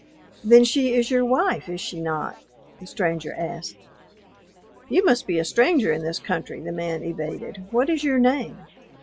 "Then she is your wife, is she not?" the stranger asked. "You must be a stranger in this country," the man evaded. "What is your name?"